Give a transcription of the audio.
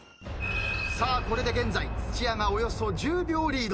さあこれで現在土屋がおよそ１０秒リード。